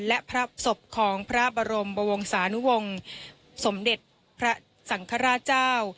และพระศพของพระบรมวงศานุวงศ์สมเด็จพระสังฆราชเจ้า